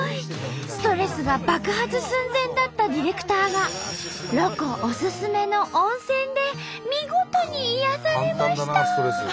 ストレスが爆発寸前だったディレクターがロコおすすめの温泉で見事に癒やされました！